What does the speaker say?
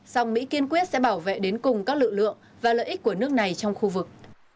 song mỹ kiên quyết sẽ bảo vệ đến cùng các lực lượng và lợi ích của nước này trong khu vực